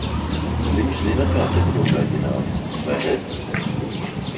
Viņš zina, kā tevi nokaitināt, vai ne?